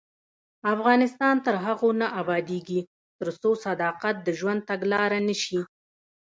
افغانستان تر هغو نه ابادیږي، ترڅو صداقت د ژوند تګلاره نشي.